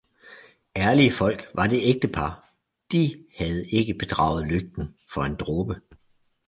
Ærlige folk var det ægtepar, de havde ikke bedraget lygten for en dråbe